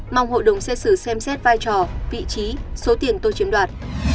mong hội đồng xét xử xem xét vai trò vị trí số tiền tôi chiếm đoạt